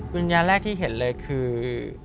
วิญญาณแรกที่เห็นเลยคือ